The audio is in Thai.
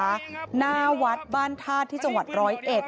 หน้าวัดบ้านธาตุที่จังหวัดร้อยเอ็ด